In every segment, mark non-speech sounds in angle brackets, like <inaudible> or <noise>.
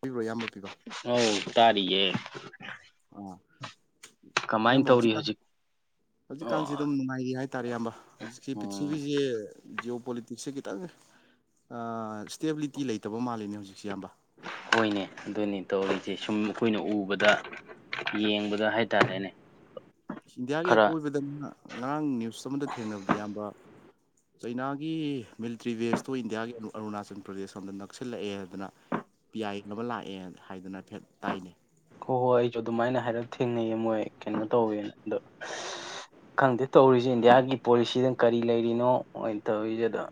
ꯄꯤꯕ꯭ꯔꯣ ꯏꯌꯥꯝꯕ ꯄꯤꯕꯣ ꯇꯔꯤꯌꯦ ꯑꯥ ꯀꯃꯥꯏꯅ ꯇꯧꯔꯤ ꯍꯧꯖꯤꯛ ꯍꯧꯖꯤꯛꯀꯥꯟꯁꯤ ꯑꯗꯨꯝ ꯅꯨꯡꯉꯥꯏꯒ ꯍꯥꯏꯇꯥꯔꯦ ꯑꯌꯥꯝꯕ ꯍꯧꯖꯤꯛꯁꯤ ꯎꯝ ꯄ꯭ꯔꯤꯊꯤꯕꯤꯁꯦ ꯄꯣꯂꯤꯇꯤꯛꯁꯁꯦ ꯈꯤꯇꯪ ꯁ꯭ꯇꯦꯕꯤꯂꯤꯇꯤ ꯂꯩꯇꯕ ꯃꯥꯜꯂꯤꯅꯦ ꯍꯧꯖꯤꯛꯁꯦ ꯑꯌꯥꯝꯕ ꯍꯣꯏꯅꯦ ꯑꯗꯨꯅꯤ ꯇꯧꯔꯤꯁꯦ ꯁꯨꯝ ꯑꯩꯈꯣꯏꯅ ꯎꯕꯗ ꯌꯦꯡꯕꯗ ꯍꯥꯏꯇꯥꯔꯦꯅꯦ ꯏꯟꯗꯤꯌꯥꯒꯤ ꯈꯔ ꯑꯀꯣꯏꯕꯗꯅ ꯉꯔꯥꯡ ꯅ꯭ꯌꯨꯁ ꯑꯃꯗ ꯊꯦꯡꯅꯕꯗ ꯌꯥꯝꯕ ꯆꯩꯅꯥꯒꯤ ꯃꯤꯂꯤꯇ꯭ꯔꯤ ꯕꯦꯁꯇꯣ ꯏꯟꯗꯤꯌꯥꯒꯤ ꯑꯔꯨꯅꯥꯆꯜ ꯄ꯭ꯔꯗꯦꯁ ꯂꯣꯝꯗ ꯅꯛꯁꯤꯜꯂꯛꯑꯦ ꯍꯥꯏꯗꯅ ꯄꯤ ꯌꯥꯏꯈꯕ ꯂꯥꯛꯑꯦ ꯍꯥꯏꯗꯨꯅ ꯐꯦꯠ ꯇꯥꯏꯅꯩ ꯍꯣꯏ ꯍꯣꯏ ꯑꯩꯁꯨ ꯑꯗꯨꯃꯥꯏꯅ ꯍꯥꯏꯔꯞ ꯊꯦꯡꯅꯩꯌꯦ ꯃꯣꯏ ꯀꯩꯅꯣ ꯇꯧꯋꯦꯅ ꯑꯗꯣ ꯈꯪꯗꯦ ꯇꯧꯔꯤꯁꯦ ꯏꯟꯗꯤꯌꯥꯒꯤ ꯄꯣꯂꯤꯁꯤꯗ ꯀꯔꯤ ꯂꯩꯔꯤꯅꯣ ꯑꯣꯏꯅ ꯇꯧꯔꯤꯁꯦ ꯑꯗ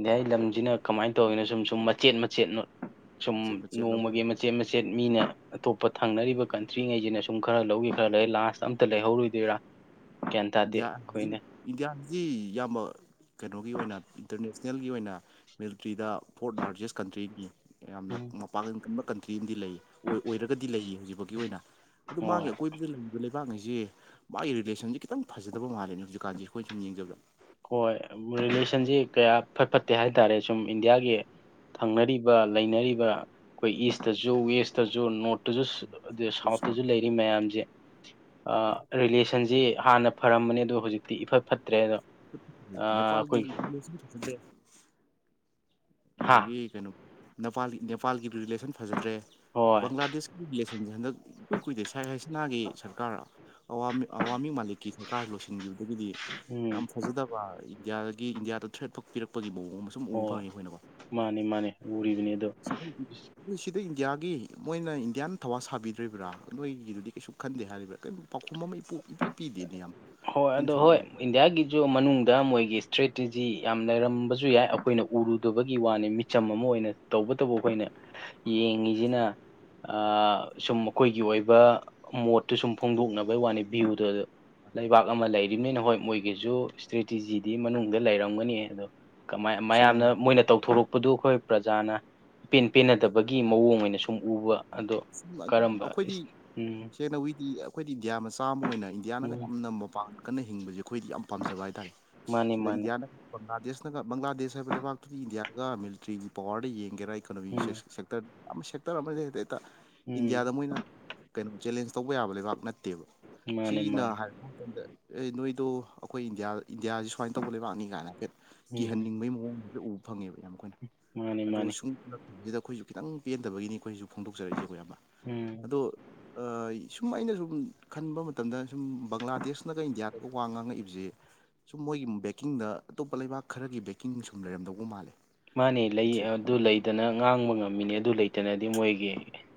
ꯏꯗꯤꯏ ꯂꯝꯁꯤꯅ ꯀꯃꯥꯏꯅ ꯇꯧꯔꯤꯅꯣ ꯁꯨꯝ ꯁꯨꯝ ꯃꯆꯦꯠ ꯃꯆꯦꯠꯅꯣ ꯁꯨꯝ ꯃꯆꯦꯠ ꯃꯆꯦꯠ ꯂꯧ ꯅꯣꯡꯃꯒꯤ ꯃꯆꯦꯠ ꯃꯆꯦꯠ ꯃꯤꯅ ꯑꯇꯣꯞꯄ ꯊꯪꯅꯔꯤꯕ ꯀꯟꯇ꯭ꯔꯤꯉꯩꯁꯤꯅ ꯁꯨꯝ ꯈꯔ ꯂꯧꯋ ꯈꯔ ꯂꯧ ꯂꯥꯁ ꯑꯝꯇ ꯂꯩꯍꯧꯔꯨꯗꯣꯏꯔꯥ ꯏꯟꯗꯤꯌꯥꯖꯤ ꯏꯟꯗꯤꯌꯥꯖꯤ ꯌꯥꯝꯕ ꯀꯩꯅꯣꯒꯤ ꯑꯣꯏꯅ ꯏꯟꯇꯔꯅꯦꯁꯅꯦꯜꯒꯤ ꯑꯣꯏꯅ ꯃꯤꯂꯤꯇ꯭ꯔꯤꯗ ꯐꯣꯔꯠ ꯂꯥꯔꯖꯦꯁ ꯀꯟꯇ꯭ꯔꯤꯅꯤ ꯌꯥꯝꯅ ꯎꯝ ꯃꯄꯥꯡꯒꯟ ꯀꯟꯕ ꯀꯟꯇ꯭ꯔꯤ ꯑꯃꯗꯤ ꯂꯩ ꯑꯣꯏ ꯑꯣꯏꯔꯒꯗꯤ ꯂꯩꯔꯤ ꯍꯧꯖꯤꯛꯐꯒꯤ ꯑꯣꯏꯅ ꯑꯗꯨ ꯍꯣꯏ ꯃꯥꯒꯤ ꯑꯀꯣꯏꯕꯗ ꯂꯩ ꯂꯩꯕꯥꯛꯉꯁꯤꯦ ꯃꯥꯒꯤ ꯔꯤꯂꯦꯁꯟꯁꯦ ꯈꯤꯇꯪ ꯐꯖꯗꯕ ꯃꯥꯜꯂꯦꯅꯦ ꯍꯧꯖꯤꯛꯀꯥꯟꯁꯦ ꯑꯩꯈꯣꯏꯅ ꯁꯨꯝ ꯌꯦꯡꯖꯕ ꯍꯣꯏ ꯔꯤꯂꯦꯁꯟꯁꯤ ꯀꯌꯥ ꯐꯠ ꯐꯠꯇꯦ ꯍꯥꯏ ꯇꯔꯦ ꯁꯨꯝ ꯏꯟꯗꯤꯌꯥꯒꯤ ꯊꯪꯅꯔꯤꯕ ꯂꯩꯅꯔꯤꯕ ꯑꯩꯈꯣꯏ ꯏꯁꯇꯁꯨ ꯋꯦꯁꯇꯁꯨ ꯅꯣꯔꯠꯇꯁꯨ ꯑꯗꯨ ꯁꯥꯎꯠ ꯁꯥꯎꯠꯇꯁꯨ ꯂꯩꯔꯤ ꯃꯌꯥꯝꯁꯦ ꯔꯤꯂꯦꯁꯟꯁꯤ ꯍꯥꯟꯅ ꯐꯔꯝꯕꯅꯤ ꯑꯗꯣ ꯍꯧꯖꯤꯛꯇꯤ ꯏꯐꯠ ꯐꯠꯇ꯭ꯔꯦ ꯑꯗꯣ ꯅꯦꯄꯥꯜ ꯑꯩꯈꯣꯏꯒꯤ ꯁꯗ ꯍꯥ ꯑꯗꯨꯗꯒꯤ ꯀꯩꯅꯣ ꯅꯄꯥꯜ ꯅꯦꯄꯥꯜꯒꯤꯗꯤ ꯔꯤꯂꯦꯁꯟ ꯐꯖꯗ꯭ꯔꯦ ꯍꯣꯏ ꯕꯪꯒ꯭ꯂꯥꯗꯦꯁꯀꯤꯁꯟ ꯟꯁꯦ ꯍꯟꯗꯛ ꯏꯀꯨꯏ ꯀꯨꯏꯗꯦ ꯁꯥꯏ ꯍꯥꯏꯁꯅꯥꯒꯤ ꯁꯔꯀꯥꯔ ꯑꯋꯥ ꯑꯋꯥ ꯃꯥꯂꯤꯛꯀꯤ ꯁꯔꯀꯥ ꯂꯣꯏꯁꯤꯟꯈꯤꯕ ꯑꯗꯒꯤꯗꯤ ꯌꯥꯝ ꯎꯝ ꯐꯖꯗꯕ ꯏꯟꯗꯤꯌꯥꯒꯤ ꯏꯟꯗꯤꯌꯥꯗ ꯊ꯭ꯔꯦꯠꯄꯛ ꯄꯤꯔꯛꯄꯒꯤ ꯃꯑꯣꯡ ꯀꯣꯡꯕ ꯁꯨꯝ ꯎꯕ ꯐꯉꯦꯈꯣꯏꯅꯣ ꯃꯥꯅꯦ ꯃꯥꯅꯦ ꯎꯔꯤꯕꯅꯤ ꯑꯗꯣ ꯑꯗꯩ ꯏꯟꯗꯤꯌꯥꯒꯤ ꯃꯣꯏꯅ ꯏꯟꯗꯤꯌꯥꯅ ꯊꯋꯥ ꯁꯥꯕꯤꯗ꯭ꯔꯤꯕ꯭ꯔꯥ ꯅꯣꯏꯒꯤꯗꯨꯗꯤ ꯀꯩꯁꯨ ꯈꯟꯗꯦ ꯍꯥꯏꯔꯤꯕ꯭ꯔꯥ ꯀ ꯄꯥꯎꯈꯨꯝ ꯑꯃ ꯏꯄꯤ ꯄꯤꯗꯦꯅꯦ ꯌꯥꯝ ꯍꯣꯏ ꯑꯩꯈꯣꯏꯅ ꯑꯗꯣ ꯁꯨꯝ ꯎ ꯍꯣꯏ ꯏꯟꯗꯤꯌꯥꯒꯤꯁꯨ ꯃꯅꯨꯡꯗ ꯃꯣꯏꯒꯤ ꯏꯁꯇ꯭ꯔꯦꯇꯦꯖꯤ ꯌꯥꯝ ꯂꯩꯔꯝꯕꯁꯨ ꯌꯥꯏ ꯑꯩꯈꯣꯏꯅ ꯎꯔꯨꯗꯕꯒꯤ ꯋꯥꯅꯤ ꯃꯤꯆꯝ ꯑꯃ ꯑꯣꯏꯅ ꯇꯧꯕꯇꯕꯨ ꯑꯩꯈꯣꯏꯅ <inaudible> ꯌꯦꯡꯉꯤꯁꯤꯅ ꯁꯨꯝ ꯑꯩꯈꯣꯏꯒꯤ ꯑꯣꯏꯕ ꯃꯣꯠꯇꯨ ꯁꯨꯝ ꯐꯣꯡꯗꯣꯛꯅꯕꯒꯤ ꯋꯥꯅꯤ ꯚ꯭ꯌꯨꯗꯨ ꯂꯩꯕꯥꯛ ꯑꯃ ꯂꯩꯔꯤꯕꯅꯤꯅ ꯍꯣꯏ ꯃꯣꯏꯒꯤꯁꯨ ꯏꯁꯇ꯭ꯔꯦꯇꯤꯖꯤꯗꯤ ꯃꯅꯨꯡꯗ ꯂꯩꯔꯝꯒꯅꯤ ꯑꯗꯣ ꯀꯃꯥꯏ ꯃꯌꯥꯝꯅ ꯁꯦꯡꯅ ꯃꯣꯏꯅ ꯇꯧꯊꯣꯔꯛꯄꯗꯨ ꯑꯩꯈꯣꯏ ꯄ꯭ꯔꯖꯥꯅ ꯏꯄꯦꯟ ꯄꯦꯟꯅꯗꯕꯒꯤ ꯃꯑꯣꯡ ꯑꯣꯏꯅꯁꯨ ꯑꯩꯈꯣꯏꯗꯤ ꯏꯁ ꯎꯝ ꯁꯦꯡꯅ ꯋꯤꯗꯤ ꯑꯩꯈꯣꯏꯗꯤ ꯏꯟꯗꯤꯌꯥ ꯃ ꯆꯥꯝꯃ ꯑꯣꯏꯅ ꯏꯟꯗꯤꯌꯥꯅꯒ ꯎꯝ ꯅꯝꯕ ꯄꯥꯛ ꯀꯟꯅ ꯍꯤꯡꯕꯁꯦ ꯑꯩꯈꯣꯏꯗꯤ ꯌꯥꯝ ꯄꯥꯝꯖꯕ ꯍꯥꯏꯇꯥꯥꯔꯦ ꯃꯥꯅꯤ ꯁꯤꯗ ꯃꯥꯅꯤ ꯏꯟꯗꯤꯌꯥꯅ ꯕꯪꯒ꯭ꯂꯥꯗꯦꯁ ꯅꯒ ꯕꯪꯒ꯭ꯂꯥꯗꯦꯁ ꯍꯥꯏꯕ ꯂꯩꯕꯥꯛꯨꯒꯤ ꯏꯟꯗꯤꯌꯥꯒ ꯃꯤꯂꯤꯇ꯭ꯔꯤꯒꯤ ꯄꯋꯥꯔꯗ ꯌꯦꯡꯒꯦꯔꯥ ꯏꯀꯣꯅꯣꯃꯤ ꯎꯝ ꯁꯦꯛꯇꯔ ꯑꯃ ꯁꯦꯛꯇꯔ ꯑꯃ ꯍꯦꯗꯦꯛꯇ ꯎꯝ ꯏꯟꯗꯤꯌꯥꯗ ꯃꯣꯏꯅ ꯀꯩꯅꯣ ꯆꯦꯂꯦꯟꯖ ꯇꯧꯕ ꯌꯥꯕ ꯂꯩꯕꯥꯛ ꯅꯠꯇꯦ ꯅꯠꯇꯦꯕ ꯃꯥꯅꯤ ꯁꯤꯒꯤꯅ ꯃꯥꯅꯤ ꯍꯥꯏꯄ ꯃꯇꯝꯗ ꯅꯣꯏꯗꯣ ꯑꯩꯈꯣꯏ ꯏꯟꯗꯤꯌꯥ ꯏꯟꯗꯤꯌꯥꯁꯤꯦ ꯁꯨꯃꯥꯏꯅ ꯇꯧꯕ ꯂꯩꯕꯥꯛꯅꯤ ꯀꯥꯏꯅ ꯍꯥꯏ ꯍꯦꯠ ꯎꯝ ꯀꯤꯍꯟꯅꯤꯡꯕꯒꯤ ꯃꯑꯣꯡꯁꯦ ꯎꯕ ꯐꯪꯉꯦꯕ ꯌꯥꯝ ꯑꯩꯈꯣꯏꯅ ꯃꯥꯅꯤ ꯑꯗꯣ ꯃꯥꯅꯤ ꯁꯨꯝꯕꯁꯤꯗ ꯑꯩꯈꯣꯏꯁꯨ ꯈꯤꯇꯪ ꯄꯦꯟꯗꯕꯒꯤꯅꯤ ꯑꯩꯈꯣꯏꯁꯨ ꯐꯣꯡꯗꯣꯛꯆꯔꯛꯏꯁꯦꯈ ꯌꯥꯝꯕ ꯎꯝ ꯑꯗꯣ ꯁꯨꯝ ꯑꯩꯅ ꯁꯨꯝ ꯈꯟꯕ ꯃꯇꯝꯗ ꯁꯨꯝ ꯕꯪꯒ꯭ꯂꯥꯗꯦꯁꯅꯒ ꯏꯟꯗꯤꯌꯥꯗꯒ ꯋꯥ ꯉꯥꯡꯉꯛꯏꯕꯁꯦ ꯁꯨꯝ ꯃꯣꯏꯒꯤ ꯕꯦꯀꯤꯡꯗ ꯑꯇꯣꯞꯄ ꯂꯩꯕꯥꯛ ꯈꯔꯒꯤ ꯕꯦꯀꯤꯡ ꯁꯨꯝ ꯂꯩꯔꯝꯗꯧꯕ ꯃꯥꯜꯂꯦ ꯃꯥꯅꯦ ꯂꯩ ꯄ꯭ꯔꯤꯊꯤꯕꯤ ꯑꯗꯨ ꯂꯩꯗꯅ ꯉꯥꯡꯕ ꯉꯝꯃꯤꯅꯦ ꯑꯗꯨ ꯂꯩꯇ ꯗꯅꯗꯤ ꯃꯣꯏꯒꯤ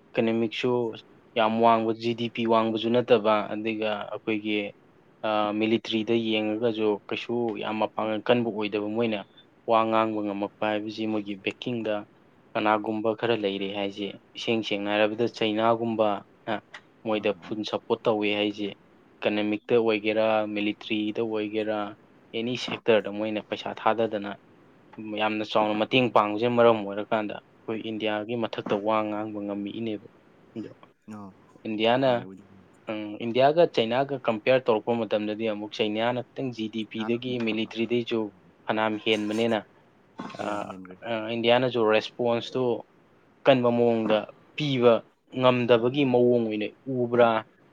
ꯏꯀꯅꯣꯃꯤꯛꯁꯨ ꯌꯥꯝ ꯋꯥꯡꯕ ꯖꯤꯗꯤ ꯄꯤ ꯋꯥꯡꯕꯁꯨ ꯅꯠꯇꯕ ꯑꯗꯒꯤ ꯑꯩꯈꯣꯏꯒꯤ ꯃꯤꯂꯤꯇ꯭ꯔꯤꯗ ꯌꯦꯡꯉꯒꯁꯨ ꯀꯩꯁꯨ ꯌꯥꯝ ꯃꯄꯥꯡꯒꯜ ꯀꯟꯕ ꯑꯣꯏꯗꯕ ꯃꯣꯏꯅ ꯋꯥ ꯉꯥꯡ ꯈꯥꯡꯕ ꯉꯝꯃꯛꯄ ꯍꯥꯏꯕꯁꯤ ꯃꯣꯏꯒꯤ ꯕꯦꯛꯀꯤꯡꯗ ꯀꯅꯥꯒꯨꯝꯕ ꯈꯔ ꯂꯩꯔꯤ ꯍꯥꯏꯁꯦ ꯏꯁꯦꯡ ꯁꯦꯡꯅ ꯍꯥꯏꯔꯕꯗ ꯆꯩꯅꯥꯒꯨꯝꯕꯅ ꯑ ꯃꯣꯏꯗ ꯑ ꯐꯨꯜ ꯁꯞꯄꯣꯔꯠ ꯇꯧꯋꯤ ꯍꯥꯏꯁꯦ ꯑꯦꯀꯅꯃꯤꯛꯇ ꯑꯣꯏꯒꯦꯔꯥ ꯃꯤꯂꯤꯇ꯭ꯔꯤꯗ ꯑꯣꯏꯒꯦꯔꯥ ꯑꯦꯅꯤ ꯁꯦꯛꯇꯔꯗ ꯃꯣꯏꯅ ꯄꯩꯁꯥ ꯊꯥꯗꯗꯅ ꯌꯥꯝꯅ ꯆꯥꯎꯅ ꯃꯇꯦꯡ ꯄꯥꯡꯕꯕꯁꯤꯅ ꯃꯔꯝ ꯑꯣꯏꯔꯀꯥꯟꯗ ꯑꯩꯈꯣꯏ ꯏꯟꯗꯤꯌꯥꯒꯤ ꯃꯊꯛꯇ ꯋꯥ ꯉꯥꯡꯕ ꯉꯝꯃꯛꯏꯅꯦꯕ ꯏꯟꯗꯤꯌꯥꯅ ꯃꯥꯅꯦ ꯎꯝ ꯏꯟꯗꯤꯌꯥꯒ ꯆꯩꯅꯥꯒ ꯀꯝꯄꯦꯌꯔ ꯇꯧꯔꯛꯄ ꯃꯇꯝꯗꯗꯤ ꯑꯃꯨꯛ ꯆꯩꯅꯤꯌꯥꯅ ꯈꯤꯇꯪ ꯖꯤ ꯗꯤ ꯅꯍꯥꯟ ꯄꯤꯗꯒꯤ ꯃꯤꯂꯤꯇ꯭ꯔꯤꯗꯒꯤꯁꯨ ꯐꯅꯝ ꯍꯦꯟꯕꯅꯤꯅ ꯌꯥꯝ ꯍꯦꯟꯈ꯭ꯔꯦ ꯏꯟꯗꯤꯌꯥꯅꯁꯨ ꯔꯦꯁꯄꯣꯟꯁꯇꯨ ꯀꯟꯕ ꯃꯑꯣꯡꯗ ꯄꯤꯕ ꯉꯝꯗꯕꯒꯤ ꯃꯑꯣꯡ ꯑꯣꯏꯅ ꯎꯕ꯭ꯔꯥ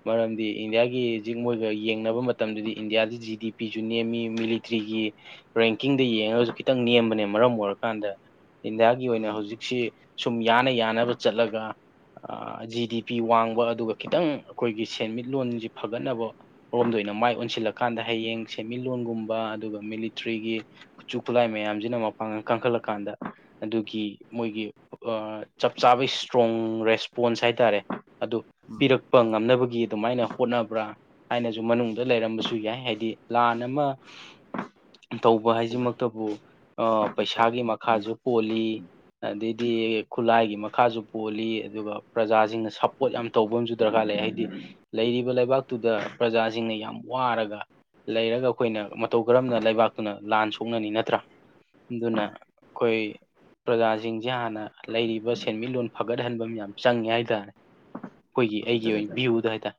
ꯃꯔꯝꯗꯤ ꯏꯟꯗꯤꯌꯥꯒꯤ ꯍꯧꯖꯤꯛ ꯃꯣꯏꯒ ꯌꯦꯡꯅꯕ ꯃꯇꯝꯗꯗꯤ ꯏꯟꯗꯤꯌꯥꯗ ꯖꯤ ꯗꯤ ꯄꯤꯁꯨ ꯅꯦꯝꯃꯤ ꯃꯤꯂꯤꯇ꯭ꯔꯤꯒꯤ ꯔꯦꯡꯀꯤꯡꯗ ꯌꯦꯡꯉꯒꯁꯨ ꯈꯤꯇꯪ ꯅꯦꯝꯕꯅ ꯃꯔꯝ ꯑꯣꯏꯔꯀꯥꯟꯗ ꯏꯟꯗꯤꯌꯥꯒꯤ ꯑꯣꯏꯅ ꯎꯝ ꯍꯧꯖꯤꯛꯁꯤ ꯁꯨꯝ ꯌꯥꯅ ꯌꯥꯅꯕ ꯆꯠꯂꯒ ꯖꯤ ꯗꯤ ꯄꯤ ꯋꯥꯡꯕ ꯑꯗꯨꯒ ꯈꯤꯇꯪ ꯑꯩꯈꯣꯏꯒꯤ ꯁꯦꯟꯃꯤꯠꯂꯣꯟꯁꯤ ꯐꯒꯠꯅꯕ ꯔꯣꯝꯗ ꯑꯩꯈꯣꯏꯅ ꯃꯥꯏ ꯑꯣꯟꯁꯤꯜꯂꯀꯥꯟꯗ ꯍꯌꯦꯡ ꯁꯦꯟꯃꯤꯠꯂꯣꯟꯒꯨꯝꯕ ꯑꯗꯨꯒ ꯃꯤꯂꯤꯇ꯭ꯔꯤꯒꯤ ꯈꯨꯠꯁꯨ ꯈꯨꯠꯂꯥꯏ ꯃꯌꯥꯝꯁꯤꯅ ꯄꯥꯡ ꯀ ꯀꯥꯡꯈꯠꯂꯀꯥꯟꯗ ꯑꯗꯨꯒꯤ ꯃꯣꯏꯒꯤ ꯆꯞ ꯆꯥꯕ ꯏꯁꯇ꯭ꯔꯣꯡ ꯔꯦꯁꯄꯣꯟ ꯄꯣꯟꯁ ꯍꯥꯏꯇꯥꯔꯦ ꯑꯗꯨ ꯎꯝ ꯄꯤꯔꯛꯄ ꯉꯝꯅꯕꯒꯤ ꯑꯗꯨꯃꯥꯏꯅ ꯍꯣꯠꯅꯕ꯭ꯔꯥ ꯍꯥꯏꯅꯁꯨ ꯃꯅꯨꯡꯗ ꯂꯩ ꯂꯩꯔꯝꯕꯁꯨ ꯌꯥꯏ ꯍꯥꯏꯗꯤ ꯂꯥꯟ ꯑꯃ ꯇꯧꯕ ꯍꯥꯏꯁꯤꯃꯛꯇꯕꯨ ꯑ ꯄꯩꯁꯥꯒꯤ ꯃꯈꯥꯁꯨ ꯄꯣꯜꯂꯤ ꯑꯗꯩꯗꯤ ꯈꯨꯠꯂꯥꯏꯒꯤ ꯃꯈꯥꯁꯨ ꯄꯣꯜꯂꯤ ꯑꯗꯨꯒ ꯄ꯭ꯔꯖꯥꯁꯤꯡꯅ ꯁꯞꯄꯣꯔꯠ ꯌꯥꯝ ꯇꯧꯕ ꯑꯃꯁꯨ ꯗꯔꯀꯥꯔ ꯂꯩ ꯂꯩ ꯍꯥꯏꯗꯤ ꯂꯩꯔꯤꯕ ꯂꯩꯕꯥꯛꯇꯨꯗ ꯄ꯭ꯔꯖꯥꯁꯤꯡꯅ ꯌꯥꯝ ꯋꯥꯔꯒ ꯂꯩꯔꯒ ꯑꯩꯈꯣꯏꯅ ꯃꯇꯧ ꯀꯔꯝꯅ ꯂꯩꯕꯥꯛꯇꯨꯅ ꯂꯥꯟ ꯁꯣꯛꯅꯅꯤ ꯅꯠꯇ꯭ꯔꯥ ꯑꯗꯨꯅ ꯑꯩꯈꯣꯏ ꯄ꯭ꯔꯖꯥꯁꯤꯡꯁꯦ ꯍꯥꯟꯅ ꯂꯩꯔꯤꯕ ꯁꯦꯟꯃꯤꯠꯂꯣꯟ ꯐꯒꯠꯍꯟꯕ ꯌꯥꯝ ꯆꯪꯉꯦ ꯍꯥꯏꯇꯥꯔꯦ ꯑꯩꯈꯣꯏꯒꯤ ꯑꯩꯒꯤ ꯑꯣꯏꯅ ꯚ꯭ꯌꯨꯗ ꯍꯥꯏꯇꯥꯔꯦ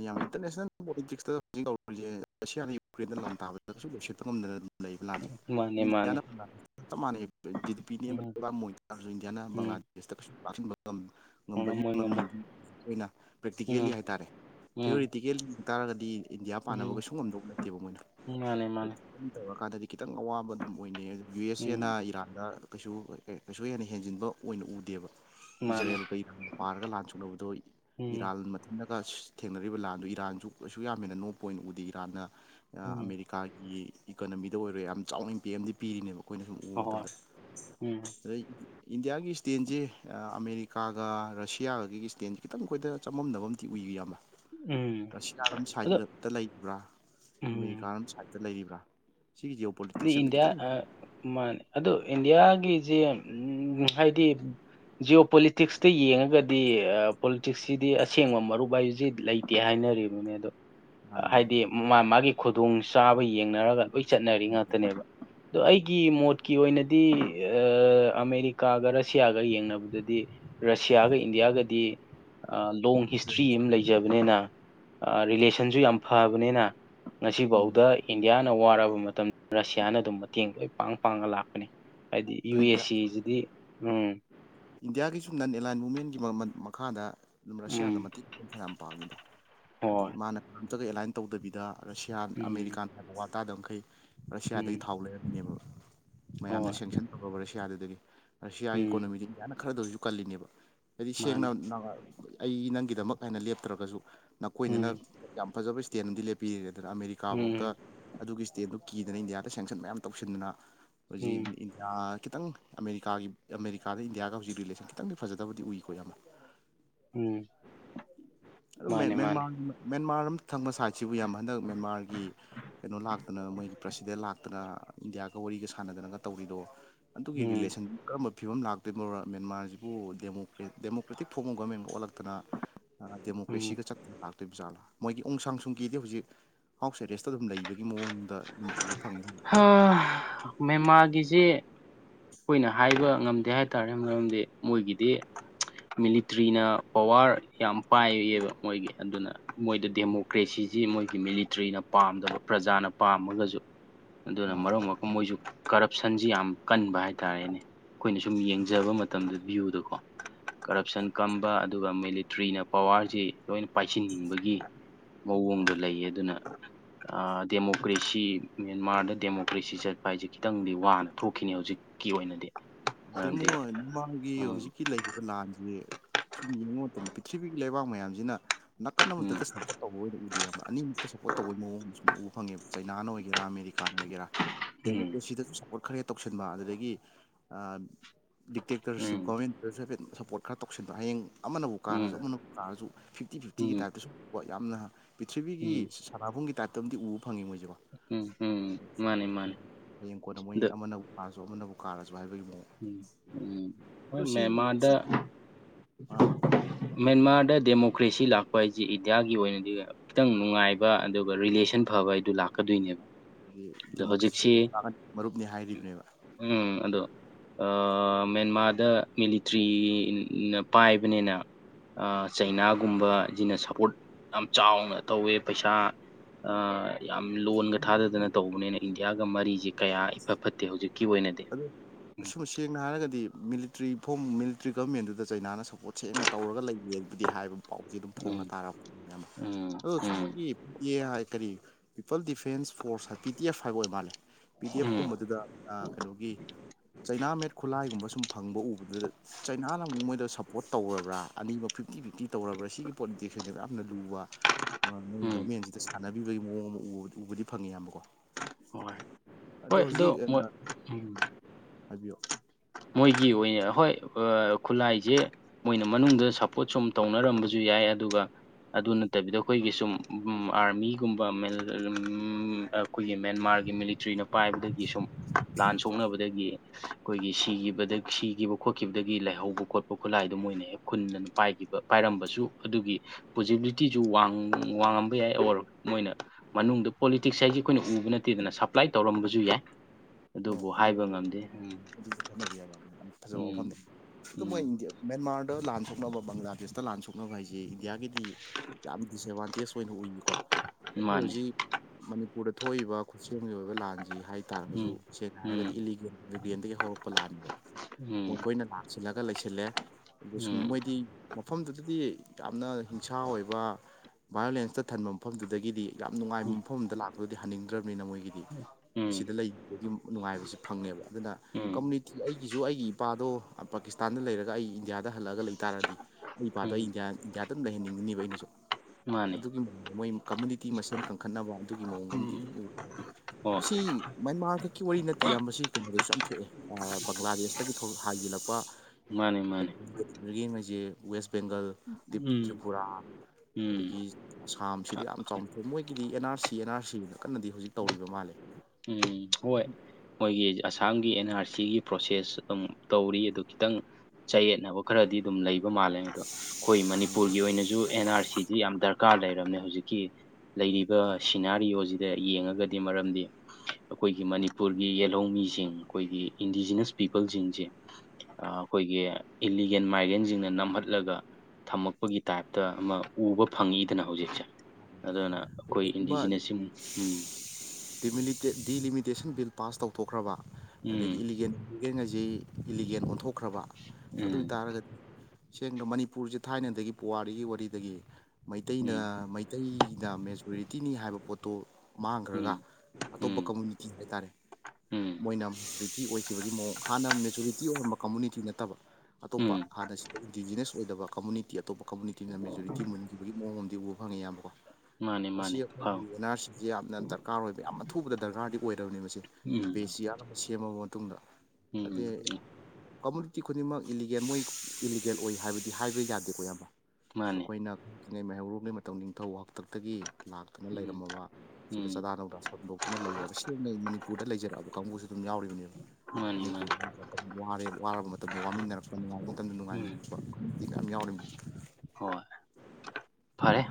ꯏꯔꯅꯦ ꯏꯟꯇꯔꯅꯦꯁꯅꯦꯜꯣꯂꯤ ꯑꯩꯈ ꯔꯁꯤꯌꯥꯅ ꯌꯨꯀ꯭ꯔꯦꯟꯗ ꯂꯥꯟ ꯇꯥꯕꯗ ꯀꯩꯁꯨ ꯂꯣꯏ ꯁꯦꯠꯄ ꯉꯝꯗꯅ ꯑꯗꯨꯝ ꯂꯩꯕ ꯂꯥꯟꯁꯦ ꯃꯥꯅꯦ ꯏꯟꯗꯤꯌꯥ ꯃꯥꯅꯦ ꯆꯞ ꯃꯥꯟꯅꯩ ꯖꯤ ꯗꯤ ꯎꯝ ꯄꯤꯕ ꯃꯣꯏ ꯏꯟꯗꯤꯌꯥ ꯎꯝ ꯕꯒ꯭ꯂꯥꯗꯦꯁꯇ ꯂꯥꯛꯁꯤꯟꯕ ꯉꯝꯕꯒꯤ ꯉꯝꯃꯣꯏ ꯉꯝꯃꯣꯏ ꯃꯃꯤꯗꯤ ꯑꯣꯏꯅ ꯎꯝ ꯄ꯭ꯔꯦꯛꯇꯤꯀꯦꯜꯂꯤ ꯍꯥꯏꯇꯥꯔꯦ ꯎꯝ ꯊꯤꯑꯣꯣꯔꯤꯇꯤꯀꯦꯜ ꯇꯥꯔꯒꯗꯤ ꯏꯟꯗꯤꯌꯥ ꯄꯥꯟꯅꯕꯒꯩ ꯎꯝ ꯁꯨꯡ ꯉꯝꯗꯣꯛ ꯅꯠꯇꯦꯕ ꯃꯣꯏꯅ ꯃꯥꯅꯦ ꯃꯥꯅꯦ ꯄ꯭ꯔꯛꯇ ꯇꯧꯔꯀꯥꯟꯗꯗꯤ ꯈꯤꯇꯪ ꯑꯋꯥꯕ ꯑꯗꯨꯝ ꯑꯣꯏꯅꯩ ꯑꯗꯨ ꯌꯨ ꯑꯦꯁ ꯑꯦꯅ ꯎꯝ ꯏꯔꯥꯟꯗ ꯀꯩꯁꯨ ꯀꯩꯁꯨ ꯍꯦꯟꯅ ꯍꯦꯟꯖꯤꯟꯕ ꯑꯣꯏꯅ ꯎꯗꯦꯕ ꯃꯥꯅꯦ ꯏꯔꯦꯜꯒ ꯄꯥꯔꯒ ꯂꯥꯟ ꯆꯣꯛꯅꯕꯗꯣ ꯎꯝ ꯏꯔꯥꯜ ꯅꯒ ꯊꯦꯡꯅꯔꯤꯕ ꯂꯥꯟꯗꯨ ꯏꯔꯥꯟꯁꯨ ꯀꯩꯁꯨ ꯌꯥꯝ ꯍꯦꯟꯅ ꯅꯣꯞꯄ ꯑꯣꯏꯅ ꯎꯗꯦ ꯏꯔꯥꯟꯅ ꯎꯝ ꯑꯃꯦꯔꯤꯀꯥꯒꯤ ꯏꯀꯅꯃꯤꯗ ꯑꯣꯏꯔꯣ ꯌꯥꯝ ꯆꯥꯎꯅ ꯏꯝꯄꯦꯛ ꯑꯃꯗꯤ ꯄꯤꯔꯤꯅꯦꯕ ꯑꯩꯈꯣꯏꯅ ꯁꯨꯝ ꯎꯕ ꯍꯣꯏ ꯃꯇꯝꯗ ꯎꯝ ꯑꯗꯩ ꯏꯟꯗꯤꯌꯥꯒꯤ ꯁ꯭ꯇꯦꯟꯁꯦ ꯑꯃꯦꯔꯤꯀꯥꯒ ꯔꯁꯤꯌꯥꯒꯒꯤ ꯁ꯭ꯇꯦꯟꯁ ꯈꯤꯇꯪ ꯑꯩꯈꯣꯏꯗ ꯆꯃꯝꯅꯕ ꯑꯝ ꯎꯏ ꯌꯥꯝꯕ ꯎꯝ ꯔꯁꯤꯌꯥꯔ ꯑꯗꯣ ꯁꯥꯏꯠꯇ ꯂꯩꯕ꯭ꯔꯥ ꯑꯃꯦꯔꯤꯀꯥ ꯎꯝ ꯁꯥꯏꯠ ꯇ ꯂꯩꯔꯤꯕ꯭ꯔꯥ ꯁꯤꯒꯤ ꯖꯤꯑꯣ ꯄꯣꯂꯤꯇꯤꯛꯁ ꯑꯝꯗ ꯏꯟꯗꯤꯌꯥ ꯈꯤꯇꯪ ꯃꯥꯅꯦ ꯑꯗꯣ ꯏꯟꯗꯤꯌꯥꯒꯤꯁꯤ ꯎꯝ ꯍꯥꯏꯗꯤ ꯖꯤꯑꯣ ꯄꯣꯂꯤꯇꯤꯛꯁꯇ ꯌꯦꯡꯉꯒꯗꯤ ꯄꯣꯂꯤꯇꯤꯛꯁꯁꯤꯗꯤ ꯑꯁꯦꯡꯕ ꯃꯔꯨꯞ ꯍꯥꯏꯖꯤ ꯂꯩꯇꯦ ꯍꯥꯏꯅꯤ ꯍꯥꯏꯅꯤ ꯑ ꯃꯥꯅꯤ ꯃꯥꯅꯤ ꯍꯥꯏꯗꯤ ꯃꯥ ꯃꯥꯒꯤ ꯈꯨꯗꯣꯡ ꯆꯕ ꯌꯦꯡꯅꯔꯒ ꯂꯣꯏ ꯆꯠꯅꯔꯤ ꯉꯥꯛꯇꯅꯦꯕ ꯑꯗꯣ ꯑꯩꯒꯤ ꯃꯣꯠꯀꯤ ꯑꯣꯏꯅꯗꯤ ꯑꯃꯦꯔꯤꯀꯥꯒꯔ ꯔꯁꯤꯌꯥꯒ ꯌꯦꯡꯅꯕꯗꯗꯤ ꯔꯁꯤꯌꯥꯒ ꯏꯟꯗꯤꯌꯥꯒꯗꯤ ꯂꯣꯡ ꯍꯤꯁꯇ꯭ꯔꯤ ꯑꯃ ꯂꯩꯖꯕꯅꯤꯅ ꯔꯤꯂꯦꯁꯟꯁꯨ ꯌꯥꯝ ꯐꯕꯅꯤꯅ ꯎꯝ ꯉꯁꯤꯐꯥꯎꯗ ꯏꯟꯗꯤꯌꯥꯅ ꯋꯥꯔꯕ ꯃꯇꯝ ꯔꯁꯤꯌꯥꯅ ꯑꯗꯨꯝ ꯃꯇꯦꯡ ꯂꯣꯏ ꯄꯥꯡ ꯄꯥꯡꯉ ꯂꯥꯛꯄꯅꯤ ꯍꯥꯏꯗꯤ ꯑꯗꯣ ꯌꯨ ꯑꯦꯁ ꯁꯤꯁꯤꯗꯤ ꯎꯝ ꯏꯟꯗꯤꯌꯥꯒꯤ ꯁꯨꯝꯅꯟ ꯑꯦꯂꯥꯏꯟ ꯃꯨꯃꯦꯟꯒꯤ ꯃꯈꯥꯗ ꯔꯁꯤꯌꯥꯗ ꯎꯝ ꯃꯇꯦꯡ ꯌꯥꯝ ꯄꯥꯡꯉꯤꯗ ꯍꯥꯏꯗꯤ ꯍꯣꯏ ꯃꯥꯅ ꯀꯝꯇꯒ ꯑꯦꯂꯥꯏꯟ ꯇꯧꯗꯕꯤꯗ ꯔꯁꯤꯌꯥꯟ ꯎꯝ ꯑꯃꯦꯔꯤꯀꯥꯅ ꯍꯥꯏꯕ ꯋꯥ ꯇꯥꯗꯕ ꯃꯈ ꯃꯈꯩ ꯔꯁꯤꯌꯥꯗꯒꯤ ꯎꯝ ꯊꯥꯎ ꯂꯩꯔꯝꯅꯦꯕ ꯃꯌꯥꯝꯅ ꯍꯣꯏ ꯁꯦꯡꯁꯟ ꯇꯧꯔꯕ ꯔꯁꯤꯌꯥꯗꯨꯗꯒꯤ ꯔꯁꯤꯌꯥꯒꯤ ꯎꯝ ꯏꯀꯣꯅꯣꯃꯤꯗꯤ ꯏꯟꯗꯤꯌꯥꯅ ꯈꯔꯗ ꯑꯣꯏꯁꯨ ꯀꯜꯂꯤꯅꯦꯕ ꯍꯥꯏꯗꯤ ꯃꯥꯅꯦ ꯁꯦꯡꯅ ꯑꯩ ꯅꯪꯒꯤꯗꯃꯛ ꯍꯥꯏꯅ ꯂꯦꯞꯇ꯭ꯔꯒꯁꯨ ꯅꯀꯣꯏꯅꯅ ꯎꯝ ꯌꯥꯝ ꯐꯖꯕ ꯏꯁꯇꯦꯠ ꯑꯃꯗꯤ ꯂꯦꯞꯄꯤꯔꯤꯦ ꯑꯗꯨꯅ ꯑꯃꯦꯔꯤꯀꯥꯐꯧꯗ ꯎꯝ ꯑꯗꯨꯒꯤ ꯏꯁ ꯑꯗꯨ ꯀꯤꯗꯅ ꯏꯟꯗꯤꯌꯥꯗ ꯁꯦꯡꯁꯟ ꯃꯌꯥꯝ ꯇꯧꯁꯤꯟꯗꯅ ꯍꯧꯖꯤꯛ ꯎꯝ ꯏꯟꯗꯤꯌꯥ ꯈꯤꯇꯪ ꯑꯃꯦꯔꯤꯀꯥꯒꯤ ꯑꯃꯦꯔꯤꯀꯥꯗ ꯏꯟꯗꯤꯌꯥꯒ ꯍꯧꯖꯤꯛ ꯔꯤꯂꯦꯁꯟ ꯈꯤꯇꯪꯗꯤ ꯐꯖꯗꯕꯗꯤ ꯎꯏꯀꯣ ꯌꯥꯝꯅ ꯎꯝ ꯑꯗꯨ ꯃ ꯃꯥꯅꯦ ꯃꯥꯅꯦ ꯃꯦꯟꯃꯥꯔ ꯃꯦꯟꯃꯥꯔ ꯊꯪꯕ ꯁꯥꯏꯠꯁꯤꯕꯨ ꯌꯥꯝ ꯍꯟꯗꯛ ꯃꯦꯟꯃꯥꯔꯒꯤ ꯀꯩꯅꯣ ꯂꯥꯛꯇꯅ ꯃꯣꯏꯒꯤ ꯄ꯭ꯔꯁꯤꯗꯦꯟ ꯂꯥꯛꯇꯅ ꯏꯟꯗꯤꯌꯥ ꯒ ꯋꯥꯔꯤꯒ ꯁꯥꯟꯅꯗꯅꯒ ꯇꯧꯔꯤꯗꯣ ꯑꯗꯨꯒꯤ ꯎꯝ ꯔꯤꯂꯦꯁꯟ ꯀꯔꯝꯕ ꯐꯤꯕꯝ ꯂꯥꯛ ꯃꯦꯟꯃꯥꯔꯁꯤꯕꯨ ꯗꯃꯀ꯭ꯔ ꯗꯦꯃꯣꯀ꯭ꯔꯦꯇꯤꯛ ꯐꯣꯡꯕ ꯒꯣꯔꯃꯦꯟꯒ ꯑꯣꯜꯂꯛꯇꯅ ꯎꯝ ꯗꯦꯃꯣꯀ꯭ꯔꯦꯁꯤꯒ ꯆꯠꯇꯅ ꯂꯥꯛꯇꯣꯏ ꯖꯥꯠꯂꯥ ꯃꯣꯏꯒꯤ ꯎꯡꯁꯥꯡ ꯁꯨꯡꯒꯤꯗꯤ ꯍꯧꯖꯤꯛ ꯍꯥꯎꯁ ꯑꯦꯔꯦꯁꯇ ꯑꯗꯨꯝ ꯂꯩꯕꯒꯤ ꯃꯑꯣꯡꯗ ꯑꯗꯨꯝ ꯎꯕ ꯐꯪꯉꯤ ꯃꯦꯝꯃꯥꯒꯤꯁꯤꯦ ꯑꯩꯈꯣꯏꯅ ꯍꯥꯏꯕ ꯉꯝꯗꯦ ꯍꯥꯏꯇꯥꯔꯦ ꯃꯔꯝꯗꯤ ꯃꯣꯏꯒꯤꯗꯤ ꯃꯤꯂꯤꯇ꯭ꯔꯤꯅ ꯄꯋꯥꯔ ꯌꯥꯝ ꯄꯥꯏꯌꯦꯕ ꯃꯣꯏꯒꯤ ꯑꯗꯨꯅ ꯃꯣꯏꯗ ꯗꯦꯃꯣꯀ꯭ꯔꯦꯁꯤꯁꯤ ꯃꯣꯏꯒꯤ ꯃꯤꯂꯤꯇ꯭ꯔꯤꯅ ꯄꯥꯝꯗꯕ ꯄ꯭ꯔꯖꯥꯅ ꯄꯥꯝꯃꯒꯁꯨ ꯑꯗꯨꯅ ꯑꯥ ꯃꯔꯝ ꯑꯣꯏꯔꯀ ꯃꯣꯏꯁꯨ ꯀꯔꯞꯁꯟꯁꯤ ꯌꯥꯝ ꯀꯟꯕ ꯍꯥꯏꯇꯥꯔꯦ ꯍꯥꯏꯇꯥꯔꯦꯅꯦ ꯑꯩꯈꯣꯏꯅ ꯁꯨꯝ ꯌꯦꯡꯖꯕ ꯃꯇꯝꯗ ꯚ꯭ꯌꯨꯗꯀꯣ ꯀꯔꯞꯁꯟ ꯀꯝꯕ ꯑꯗꯨꯒ ꯃꯤꯂꯤꯇ꯭ꯔꯤꯅ ꯄꯋꯥꯔꯁꯤ ꯂꯣꯏꯅ ꯄꯥꯏꯁꯤꯟꯅꯤꯡꯕꯒꯤ ꯃꯑꯣꯡꯗ ꯑꯥ ꯂꯩꯌꯦ ꯑꯗꯨꯅ ꯗꯦꯃꯣꯀ꯭ꯔꯦꯁꯤ ꯃꯦꯟꯃꯥꯔꯗ ꯗꯦꯃꯣꯀ꯭ꯔꯦꯁꯤ ꯆꯠꯄ ꯍꯥꯏꯁꯦ ꯈꯤꯇꯪꯗꯤ ꯋꯥꯅ ꯊꯣꯛꯈꯤꯅꯤ ꯍꯧꯖꯤꯛ ꯀ ꯑꯣꯏꯅꯗꯤ ꯗꯃꯣ ꯃꯃꯥꯡꯒꯤ ꯎꯝ ꯍꯧꯖꯤꯛꯀꯤ ꯂꯩꯔꯤꯕ ꯂꯥꯟꯁꯤ ꯄ꯭ꯔꯤꯊꯤꯕꯤ ꯌꯦꯡꯕ ꯃꯇꯝꯗ ꯄ꯭ꯔꯤꯊꯤꯕꯤꯒꯤ ꯂꯩꯕꯥꯛ ꯃꯌꯥꯝꯁꯤꯅ ꯅꯥꯀꯟ ꯑꯃꯗ ꯎꯝ ꯁꯞꯄꯣꯔꯠ ꯇꯧꯕ ꯑꯣꯏꯅ ꯎꯗꯦ ꯌꯥꯕ ꯑꯅꯤꯃꯛꯇ ꯁꯄꯣꯔꯠ ꯇꯧꯕꯒꯤ ꯃꯑꯣꯡꯗ ꯁꯨꯝ ꯎꯕ ꯐꯪꯉꯦꯕ ꯆꯩꯅꯥꯅ ꯑꯣꯏꯒꯦꯔꯥ ꯑꯃꯦꯔꯤꯀꯥ ꯑꯣꯏꯒꯦꯥ ꯎꯝ ꯗꯦꯃꯣꯀ꯭ꯔꯦꯁꯤꯗꯁꯨ ꯁꯄꯣꯔꯠ ꯈꯔꯦ ꯇꯧꯁꯤꯟꯕ ꯑꯗꯨꯗꯒꯤ ꯗꯤꯛꯇꯦꯛꯇꯔꯁꯤꯞ ꯎꯝ ꯒꯣꯔꯃꯦꯟꯗꯁꯨ ꯍꯥꯏꯐꯦꯠ ꯁꯞꯄꯣꯔꯠ ꯈꯔ ꯇꯧꯁꯤꯟꯗꯣ ꯍꯌꯦꯡ ꯑꯃꯅꯕꯨ ꯀꯥꯔꯁꯨ ꯎꯝ ꯑꯃꯅꯕꯨ ꯀꯥꯔꯁꯨ ꯐꯤꯐꯇꯤ ꯐꯤꯐꯇꯤꯒꯤ ꯎꯝ ꯇꯥꯏꯞꯇꯁꯨ ꯌꯥꯝꯅ ꯄ꯭ꯔꯤꯊꯤꯕꯤꯒꯤ ꯎꯝ ꯁꯥꯟꯅꯥꯅꯕꯨꯡꯒꯤ ꯇꯥꯏꯞꯇ ꯑꯃꯗꯤ ꯎ ꯐꯪꯉꯤ ꯃꯣꯏꯁꯦꯀꯣ ꯎꯝ ꯎꯝ ꯃꯥꯅꯦ ꯃꯥꯅꯦ ꯍꯌꯦꯡ ꯀꯣꯟꯅ ꯃꯣꯏ ꯑꯗ ꯑꯃꯅꯕꯨ ꯀꯥꯔꯁꯨ ꯑꯃꯅꯕꯨ ꯀꯥꯔꯁꯨ ꯍꯥꯏꯕꯒꯤ ꯃꯑꯣꯡ ꯎꯝ ꯎꯝ ꯍꯣꯏ ꯑꯗꯣ ꯁꯤ ꯃꯦꯟꯃꯥꯗ ꯑꯥ ꯍꯥꯏꯕꯤꯌꯨ ꯃꯦꯟꯃꯥꯔꯗ ꯗꯦꯃꯣꯀ ꯃꯃꯣꯀ꯭ꯔꯦꯁꯤ ꯂꯥꯛꯄ ꯍꯥꯏꯁꯤ ꯏꯟꯗꯤꯌꯥꯒꯤ ꯑꯣꯏꯅꯗꯤ ꯈꯤꯇꯪ ꯅꯨꯡꯉꯥꯏꯕ ꯑꯗꯨꯒ ꯔꯤꯂꯦꯁꯟ ꯐꯕ ꯍꯥꯏꯗꯨ ꯂꯥꯛꯀꯗꯣꯏꯅꯦꯕ ꯗꯤ ꯑꯗꯣ ꯗꯦꯃꯣꯀ꯭ꯔꯦꯁꯤ ꯆ ꯍꯧꯖꯤꯛꯁꯤ ꯆꯥ ꯃꯔꯨꯞꯅꯤ ꯍꯥꯏꯔꯤꯕꯅꯦꯕ ꯎꯝ ꯑꯗꯣ ꯃꯦꯟꯃꯥꯔꯗ ꯃꯤꯂꯤꯇ꯭ꯔꯤ ꯄꯥꯏꯕꯅꯤꯅ ꯆꯩꯅꯥꯒꯨꯝꯕꯕꯁꯤꯅ ꯁꯞꯄꯣꯔꯠ ꯌꯥꯝ ꯆꯥꯎꯅ ꯇꯧꯋꯦ ꯄꯩꯁꯥ ꯌꯥꯝ ꯂꯣꯟꯒ ꯊꯥꯗꯗꯅ ꯇꯧꯕꯅꯤꯅ ꯏꯟꯗꯤꯌꯥꯒ ꯃꯔꯤꯁꯦ ꯀꯌꯥ ꯏꯐꯠ ꯐꯠꯇꯦ ꯍꯧꯖꯤꯛꯀꯤ ꯑꯣꯏꯅ ꯑ ꯑꯨꯝ ꯁꯦꯡꯅ ꯍꯥꯏꯔꯒꯗꯤ ꯃꯤꯂꯤꯇ꯭ꯔꯤ ꯐꯣꯝꯂꯤ ꯇ꯭ꯔꯤ ꯒꯔꯃꯦꯟꯗꯨꯗ ꯆꯩꯅꯥꯅ ꯁꯞꯄꯣꯔꯠ ꯁꯦꯡꯅ ꯇꯧꯔ ꯂꯩꯒꯦ ꯍꯥꯏꯕꯨꯗꯤ ꯍꯥꯏꯕ ꯄꯥꯎꯁ ꯑꯗꯨꯝ ꯐꯣꯡꯅ ꯎꯝ ꯇꯥꯔ ꯑꯃ ꯎꯝ ꯑꯣ ꯁꯨꯝ ꯎꯝ ꯃꯣꯏꯒꯤ ꯀꯔꯤ ꯐꯦꯜ defence force P T F ꯍꯥꯏꯕ ꯑꯣꯏ ꯃꯥꯜꯂꯦ ꯄꯤ ꯤ ꯎꯝ ꯑꯦꯐ ꯎꯝ ꯀꯨꯝꯕꯗꯨꯗ ꯀꯩꯅꯣꯒꯤ ꯆꯩꯅꯥ ꯃꯦꯠ ꯈꯨꯠꯂꯥꯏꯒꯨꯝꯕ ꯁꯨꯝ ꯐꯪꯕ ꯎꯕꯗꯨꯗ ꯆꯩꯅꯥꯅ ꯑꯃꯨꯛ ꯃꯣꯏꯗ ꯁꯞꯄꯣꯔꯠ ꯇꯧꯔꯕ꯭ꯔꯥ ꯑꯅꯤꯃꯛ ꯐꯤꯞꯇꯤ ꯤ ꯇꯧꯔꯕ꯭ꯔ ꯁꯤꯒꯤ ꯄꯣꯠꯠꯇꯗꯤꯦꯦꯡꯅꯗ ꯂꯨꯕ ꯎꯝ ꯒꯃꯦꯟꯁꯤꯗ ꯁꯥꯟꯅꯕꯤꯕꯒꯤ ꯃꯑꯣꯡ ꯑꯃ ꯎꯕꯗꯤ ꯐꯪꯉꯦ ꯍꯥꯏꯕꯀꯣ ꯍꯣꯏ ꯍꯣꯏ ꯑꯗꯨ ꯍꯧꯖꯤꯛ ꯃꯣꯏ ꯎꯝ ꯍꯥꯏꯕꯤꯌꯣ ꯃꯣꯏꯒꯤ ꯑꯣꯏꯅ ꯍꯣꯏ ꯈꯨꯠꯂꯥꯏꯁꯦ ꯃꯣꯏꯅ ꯃꯅꯨꯡꯗ ꯁꯄꯣꯔꯠ ꯁꯨꯝ ꯇꯧꯅꯔꯝꯕꯁꯨ ꯌꯥꯏ ꯑꯗꯨꯒ ꯑꯗꯨ ꯅꯠꯇꯕꯤꯗ ꯑꯩꯈꯣꯏꯒꯤ ꯁꯨꯝ ꯑꯥꯔꯃꯤꯒꯨꯝꯕ ꯑꯩꯈꯣꯏꯒꯤ ꯃꯦꯟꯃꯥꯔ ꯃꯤꯂꯤꯇ꯭ꯔꯤꯅ ꯄꯥꯏꯕꯗꯒꯤ ꯁꯨꯝ ꯂꯥꯟ ꯁꯣꯛꯅꯕꯗꯒꯤ ꯑꯩꯈꯣꯏꯒꯤ ꯁꯤ ꯁꯤꯈꯤꯕ ꯈꯣꯠꯈꯤꯕꯗꯒꯤ ꯂꯩꯥꯏꯍꯧꯕ ꯈꯣꯠꯄ ꯈꯨꯠꯂꯥꯏꯗꯣ ꯃꯣꯏꯅ ꯍꯦꯛ ꯈꯨꯟꯗꯅ ꯄꯥꯏꯈꯤꯕ ꯄꯥꯏꯔꯝꯕꯁꯨ ꯁꯨ ꯑꯗꯨꯒꯤ ꯄꯣꯖꯤꯕꯤꯂꯤꯇꯤꯁꯨ ꯋꯥꯡ ꯋꯥꯡ ꯉꯝꯕ ꯌꯥꯏ ꯑꯣꯔ ꯃꯣꯏꯅ ꯃꯅꯨꯡꯗ ꯄꯣꯂꯤꯇꯤꯛꯁ ꯁꯥꯏꯁꯦ ꯑꯩꯈꯣꯏꯅ ꯎꯕ ꯅꯠꯇꯦꯗꯅ ꯁꯞꯄ꯭ꯂꯥꯏ ꯇꯧꯔꯝꯕꯁꯨ ꯌꯥꯏ ꯑꯗꯨꯕꯨ ꯑꯣ ꯑꯗꯨ ꯍꯥꯏꯕ ꯉꯝꯗꯦ ꯎꯝ ꯑꯗꯨꯁꯨ ꯈꯟꯅꯕ ꯌꯥꯕ ꯐꯖꯕ ꯎꯝ ꯋꯥꯐꯝꯅꯦ ꯑꯗꯨ ꯎꯝ ꯃꯣꯏ ꯏꯟꯗꯤ ꯃꯦꯟꯃꯥꯔꯗ ꯂꯥꯟ ꯁꯣꯛꯅꯕ ꯕꯪꯒ꯭ꯂꯥꯗꯦꯁꯇ ꯂꯥꯟ ꯁꯣꯛꯅꯕ ꯍꯥꯏꯁꯦ ꯏꯟꯗꯤꯌꯥꯒꯤꯗꯤ ꯌꯥꯝ ꯗꯤꯁꯑꯦꯠꯕꯥꯟꯇꯦꯖ ꯑꯣꯏꯅ ꯎꯏꯀꯣ ꯑꯩꯈꯣꯏ ꯃꯥꯅꯦ ꯍꯧꯖꯤꯛ ꯃꯅꯤꯄꯨ꯭ꯔꯗ ꯊꯣꯛꯏꯕ ꯐꯦꯝꯒꯤ ꯑꯣꯏꯕ ꯂꯥꯟꯁꯤ ꯍꯥꯏꯇꯥꯥꯔꯒꯁꯨ ꯎꯝ ꯁꯦꯡꯅ ꯍꯥꯏꯔꯒꯗꯤ ꯎꯝ ꯏꯜꯂꯤꯒꯦꯜ ꯕꯦꯟꯗꯒꯤ ꯍꯧꯔꯛꯄ ꯂꯥꯟꯅꯦꯕ ꯎꯝ ꯃꯈꯣꯏꯅ ꯂꯥꯛꯁꯤꯜꯂꯒ ꯂꯩꯁꯤꯜꯂꯦ ꯑꯗꯨ ꯁꯨꯝ ꯎꯝ ꯃꯣꯏꯗꯤ ꯃꯐꯝꯗꯨꯗꯗꯤ ꯌꯥꯝꯅ ꯍꯤꯡꯁꯥ ꯑꯣꯏꯕ ꯚꯥꯏꯌꯣꯂꯦꯟꯁꯇ ꯊꯟꯕ ꯃꯐꯝꯗꯨꯗꯒꯤꯗꯤ ꯌꯥꯝ ꯅꯨꯡꯉꯥꯏꯕ ꯃꯐꯝ ꯑꯃꯗ ꯂꯥꯛꯄꯗꯨꯗꯤ ꯍꯟꯅꯤꯡꯗ꯭ꯔꯕꯅꯤꯅ ꯃꯣꯏꯒꯤꯗꯤ ꯎꯝ ꯎꯝ ꯁꯤꯗ ꯂꯩꯕꯒꯤ ꯅꯨꯡꯉꯥꯏꯕꯁꯤ ꯐꯪꯉꯦꯕ ꯑꯗꯨꯅ ꯎꯝ ꯀꯝꯃꯨꯅꯤꯇꯤ ꯑꯩꯒꯤꯁꯨ ꯑꯩꯒꯤ ꯏꯄꯥꯗꯣ ꯄꯥꯀꯤꯁꯇꯥꯟꯗ ꯂꯩꯔꯒ ꯑꯩ ꯏꯟꯗꯤꯌꯥꯗ ꯍꯜꯂꯛꯒ ꯂꯩꯇꯥꯥꯔꯗꯤ ꯑꯩ ꯏꯄꯥꯗꯣ ꯑꯩ ꯎꯝ ꯏꯟꯗꯤꯌꯥ ꯏꯟꯗꯤꯌꯥ ꯑꯗꯨꯝ ꯂꯩꯍꯟꯅꯤꯡꯉꯤꯅꯤꯕ ꯑꯩꯅꯁꯨ ꯃꯥꯅꯦ ꯑꯗꯨꯒꯤ ꯃꯣꯏ ꯀꯝꯃꯨꯅꯤꯇꯤ ꯃꯁꯦꯟ ꯀꯟꯈꯠꯅꯕ ꯑꯗꯨꯒꯤ ꯃꯑꯣꯡ ꯑꯃꯗꯤ ꯑꯗꯨ ꯎꯝ ꯍꯣꯏ ꯁꯤ ꯃꯦꯟꯃꯥ꯭ꯔ ꯈꯛꯀꯤ ꯋꯥꯔꯤ ꯅꯠꯇꯦ ꯏꯌꯥꯝꯕꯁꯤ ꯀꯩꯅꯣꯗꯁꯨ ꯌꯥꯝ ꯊꯣꯛꯑꯦ ꯕꯪꯒ꯭ꯂꯥꯗꯦꯁꯇꯒꯤ ꯍꯥꯡꯖꯤꯜꯂꯛꯄ ꯃꯥꯅꯦ ꯃꯥꯅꯦ ꯀꯩꯅꯗꯒꯤ ꯃꯣꯏꯁꯦ west Bengal um Tripura um ꯑꯗꯒꯤ ꯑꯁꯥꯝ ꯁꯤꯗ ꯌꯥꯝ ꯆꯥꯎꯅ ꯊ‌ꯣꯛ ꯃꯣꯏꯒꯤ ꯗꯤ N R C N R ꯁꯤꯗꯅ ꯎꯝ ꯍꯣꯏ ꯃꯣꯏꯒꯤ ꯑꯁꯥꯝꯒꯤ ꯑꯦꯟ ꯑꯥꯔ ꯁꯤꯒꯤ ꯄ꯭ꯔꯣꯁꯦꯁ ꯑꯗꯨꯝ ꯇꯧꯔꯤ ꯑꯗꯨ ꯈꯤꯇꯪ ꯆꯌꯦꯠꯅꯕ ꯈꯔꯗꯤ ꯑꯗꯨꯝ ꯂꯩꯕ ꯃꯥꯜꯂꯦ ꯑꯗꯣ ꯑꯩꯈꯣꯏ ꯎꯝ ꯃꯅꯤꯄꯨ꯭ꯔꯒꯤ ꯑꯣꯏꯅꯁꯨ ꯑꯦꯟ ꯑꯥꯔ ꯁꯤꯗꯤ ꯌꯥꯝ ꯗ꯭ꯔꯀꯥ꯭ꯔ ꯂꯩꯔꯕꯅꯦ ꯍꯧꯖꯤꯛꯀꯤ ꯂꯩꯔꯤꯕ ꯁꯤꯅꯥꯔꯤꯌꯑꯣꯁꯤꯗ ꯌꯦꯡꯉꯒꯗꯤ ꯃꯔꯝꯗꯤ ꯑꯩꯈꯣꯏꯒꯤ ꯃꯅꯤꯄꯨꯔꯒꯤ ꯌꯦꯜꯍꯧꯃꯤꯁꯤꯡ ꯑꯩꯈꯣꯏꯒꯤ ꯏꯟꯗꯤꯖꯤꯅꯁ ꯄꯤꯄꯜꯁꯤꯡꯁꯦ ꯑꯩꯈꯣꯏꯒꯤ ꯏꯜꯂꯤꯒꯦꯜ ꯃꯥꯏꯒ꯭ꯔꯦꯟꯁꯤꯡꯅ ꯅꯝꯍꯠꯂꯒ ꯊꯝꯃꯛꯄꯒꯤ ꯇꯥꯏꯞꯇ ꯑꯃ ꯎꯕ ꯐꯪꯉꯤꯗꯅ ꯍꯧꯖꯤꯛꯁꯦ ꯑꯗꯨꯅ ꯑꯩꯈꯣꯏ ꯀꯩꯒꯨꯝꯕ ꯏꯟꯗꯤꯖꯤꯅꯁꯝ ꯗꯤꯂꯤꯃꯤꯇꯦꯁꯟ ꯕꯤꯜ ꯄꯥꯁ ꯇꯧꯊꯣꯛꯈ꯭ꯔꯕ ꯑꯗꯒꯤ ꯎꯝ ꯏꯜꯂꯤꯒꯦꯟ ꯏꯃꯤꯒꯦꯟ ꯒꯁ‌ꯦ ꯏꯜꯂꯤꯒꯦꯟ ꯑꯣꯟꯊꯣꯛꯈ꯭ꯔꯕ ꯑꯗꯨ ꯑꯣꯏ ꯇꯔꯒꯗꯤ ꯁꯦꯡꯅ ꯃꯅꯤꯄꯨꯔꯁꯦ ꯊꯥꯏꯅꯗꯒꯤ ꯄꯨꯋꯥꯔꯤꯒꯤ ꯋꯥꯔꯤꯗꯒꯤ ꯎꯝ ꯃꯩꯇꯩꯅ ꯃꯩꯇꯩꯅ ꯃꯦꯖꯣꯔꯤꯇꯤꯅꯤ ꯍꯥꯏꯕ ꯄꯣꯠꯇꯨ ꯃꯥꯡꯈ꯭ꯔꯒ ꯎꯝ ꯎꯝ ꯑꯇꯣꯞꯄ ꯎꯝ ꯀꯝꯃꯨꯅꯤꯇꯤ ꯍꯥꯏꯇꯥꯔꯦ ꯎꯝ ꯃꯣꯏꯅ ꯃꯦꯖꯣꯔꯤꯇꯤ ꯑꯣꯏꯈꯤꯕꯒꯤ ꯃꯑꯣꯡ ꯍꯥꯟꯅ ꯃꯦꯖꯣꯔꯤꯇꯤ ꯑꯣꯏꯔꯝꯕ ꯀꯝꯃꯨꯅꯤꯇꯤ ꯅꯠꯇꯕ ꯑꯇꯣꯞꯄ ꯎꯝ ꯍꯥꯟꯅ ꯏꯟꯗꯤꯖꯤꯅꯁ ꯑꯣꯏꯗꯕ ꯀꯝꯃꯨꯅꯤꯇꯤ ꯑꯇꯣꯞꯄ ꯀꯝꯃꯨꯅꯤꯇꯤꯅ ꯃꯦꯖꯣꯔꯤꯇꯤ ꯃꯨꯟꯈꯤꯕꯒꯤ ꯃꯑꯣꯡꯗꯤ ꯎꯕꯥ ꯐꯪꯉꯤ ꯏꯌꯥꯝꯕꯀꯣ ꯃꯥꯅꯦ ꯑꯁꯤ ꯃꯥꯅꯦ ꯐꯥꯎ ꯑꯩꯈꯣꯏꯒꯤ ꯑꯦꯟ ꯑꯥꯔ ꯁꯤꯁ ꯌꯥꯝꯅ ꯗꯔꯀꯥꯔ ꯑꯣꯏꯕ ꯌꯥꯝ ꯑꯊꯨꯕꯗ ꯗꯔꯀꯥꯔꯗꯤ ꯅꯤ ꯎꯝ ꯕꯦꯁ ꯌꯥꯝ ꯁꯦꯝꯃꯕ ꯃꯇꯨꯡꯗ ꯑꯗ ꯎꯝ ꯎꯝ ꯀꯃꯨꯅꯤꯇꯤ ꯈꯨꯗꯤꯡꯃꯛ ꯏꯂꯤꯒꯦꯜ ꯃꯣꯏ ꯏꯂꯤꯒꯦꯜ ꯑꯣꯏ ꯍꯥꯏꯕꯗꯤ ꯍꯥꯏꯕ ꯌꯥꯗꯦꯀꯣ ꯑꯌꯥꯝꯕ ꯃꯥꯅꯦ ꯑꯩꯈꯣꯏꯅ ꯃꯩꯍꯧꯔꯣꯝꯒꯤ ꯃꯇꯝ ꯅꯤꯡꯊꯧ ꯋꯍꯥꯛꯇꯛꯇ ꯂꯥꯛꯇꯅ ꯎꯝ ꯂꯩꯔꯝꯃꯕ ꯁꯤꯗ ꯎꯝ ꯆꯥꯗꯥ ꯅꯧꯗꯥ ꯁꯟꯗꯣꯛꯇꯨꯅ ꯂꯩꯈ꯭ꯔꯕ ꯁꯦꯡꯅꯩ ꯃꯅꯤꯄꯨꯔꯗ ꯂꯩꯔꯛꯑꯕ ꯀꯥꯡꯕꯨꯁꯤꯗ ꯑꯗꯨꯝ ꯌꯥꯎꯔꯤꯕꯅꯦꯕ ꯃꯥꯅꯤ ꯃꯥꯅꯤ ꯃꯅꯤꯄꯨꯔ ꯋꯥꯔꯕ ꯃꯇꯝꯗ ꯋꯥꯃꯤꯟꯅꯔꯛꯄ ꯅꯨꯡꯉꯥꯏꯕ ꯃꯇꯝꯗ ꯎꯝ ꯅꯨꯡꯉꯥꯏ ꯌꯥꯎꯔꯦ ꯎꯝ ꯍꯣꯏ ꯐꯔꯦ